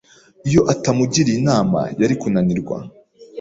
Iyo atamugiriye inama, yari kunanirwa.